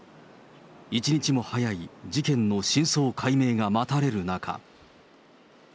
一日も早い事件の真相解明が待たれる中。